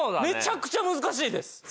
めちゃくちゃ難しいです。